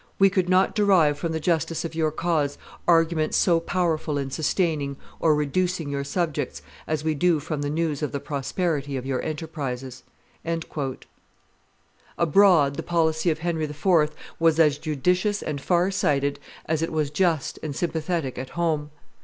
We could not derive from the justice of your cause arguments so powerful in sustaining or reducing your subjects as we do from the news of the prosperity of your enterprises." Abroad the policy of Henry IV. was as judicious and far sighted as it was just and sympathetic at home.